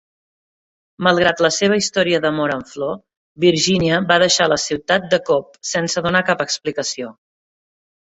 Malgrat la seva història d'amor en flor, Virginia va deixar la ciutat de cop sense donar cap explicació.